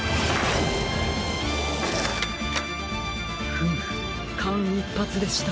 フムかんいっぱつでした。